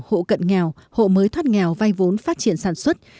hộ cận nghèo hộ mới thoát nghèo vay vốn phát triển sản xuất